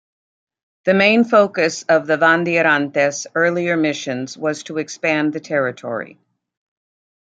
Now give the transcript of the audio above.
The main focus of the "bandeirantes"' earlier missions was to expand the territory.